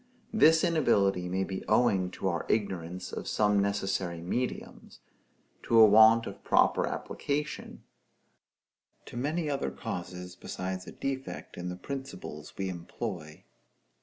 This inability may be owing to our ignorance of some necessary mediums; to a want of proper application; to many other causes besides a defect in the principles we employ.